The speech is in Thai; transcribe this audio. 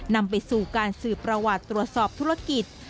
นำไปสู่การสืบประวัติตรวจสอบธุรกิจ